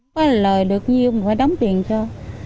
không có lợi được nhiều mà phải đóng tiền cho